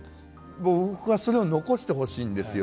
僕はそれを残してほしいんですよ。